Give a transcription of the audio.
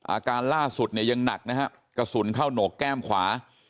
อาการล่าสุดเนี่ยยังหนักนะฮะกระสุนเข้าโหนกแก้มขวา